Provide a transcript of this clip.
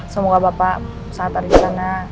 semoga bapak sehat ada di sana